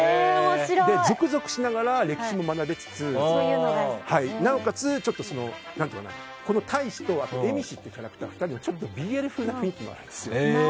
ゾクゾクしながら歴史も学べつつなおかつ、太子と蝦夷というキャラクター２人のＢＬ風な雰囲気もあるんです。